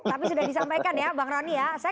tapi sudah disampaikan ya bang rony ya saya